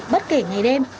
bất kể ngày đêm